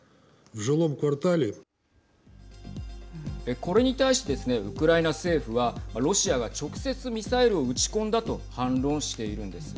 これに対してですねウクライナ政府はロシアが直接ミサイルを撃ち込んだと反論しているんです。